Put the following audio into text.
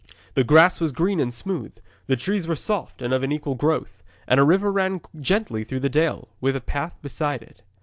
The grass was green and smooth, the trees were soft and of an equal growth; and a river ran gently through the dale, with a path beside it.